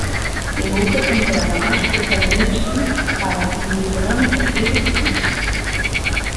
E outra temporada máis protagonismo para un veterano porteiro vigués.